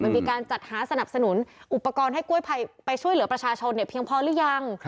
มันมีการจัดหาสนับสนุนอุปกรณ์ให้กล้วยไปช่วยเหลือประชาชนเพียงพอหรือยัง